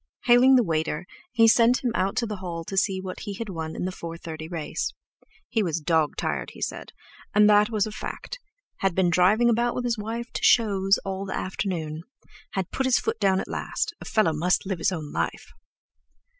Hailing the waiter, he sent him out to the hall to see what had won the 4.30 race. He was dog tired, he said, and that was a fact; had been drivin' about with his wife to "shows" all the afternoon. Had put his foot down at last. A fellow must live his own life.